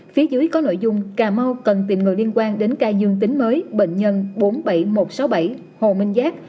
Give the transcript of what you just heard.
phía dưới có nội dung cà mau cần tìm người liên quan đến ca dương tính mới bệnh nhân bốn mươi bảy nghìn một trăm sáu mươi bảy hồ minh giác